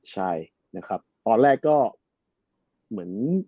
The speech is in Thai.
ใช่นะครับตอนแรกก็เหมือน